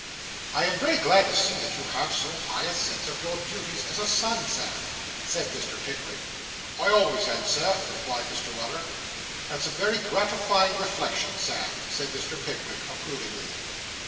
'I am very glad to see that you have so high a sense of your duties as a son, Sam,' said Mr. Pickwick. 'I always had, sir,' replied Mr. Weller. 'That's a very gratifying reflection, Sam,' said Mr. Pickwick approvingly.